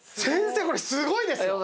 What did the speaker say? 先生これすごいです！